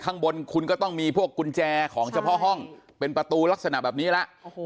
ข้างบนคุณก็ต้องมีพวกกุญแจของเฉพาะห้องเป็นประตูลักษณะแบบนี้แล้ว